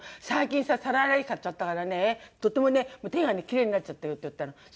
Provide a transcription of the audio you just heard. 「最近さ皿洗い機買っちゃったからねとってもね手がねキレイになっちゃったよ」って言ったの。